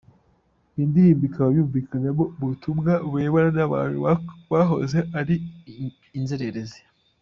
Iyi ndirimbo ikaba yumvikanamo ubutumwa burebana n’abantu bahoze ari inzererezi.